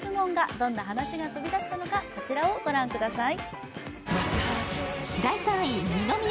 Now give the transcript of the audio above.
どんな話が飛び出したのかこちらをご覧ください。